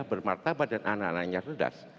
bermartabat dan anak anaknya cerdas